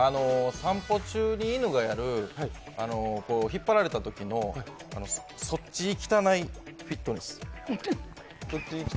散歩中に犬がやる、引っ張られたときの、そっち行きたないフィットネス。